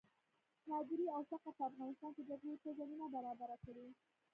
ناداري او فقر په افغانستان کې جګړې ته زمینه برابره کړې.